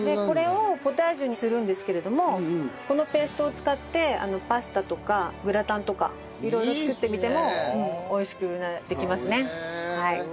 これをポタージュにするんですけれどもこのペーストを使ってパスタとかグラタンとか色々作ってみても美味しくできますね。